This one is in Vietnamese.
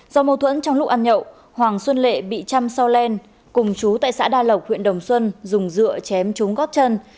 do mâu thuẫn trong lúc ăn nhậu hoàng xuân lệ bị chăm so len cùng chú tại xã đa lộc huyện đồng xuân dùng dựa chém trúng gót chân